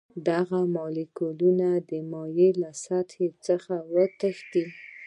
دغه مالیکولونه د مایع له سطحې څخه وتښتي.